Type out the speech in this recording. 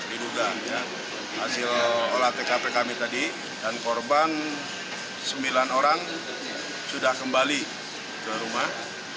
diduga hasil olah tkp kami tadi dan korban sembilan orang sudah kembali ke rumah